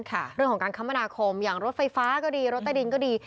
เรื่องของการคมนาคมอย่างรถไฟฟ้าก็ดีรถใต้ดินก็ดี